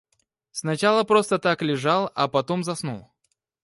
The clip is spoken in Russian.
Сначала просто так лежал, а потом заснул.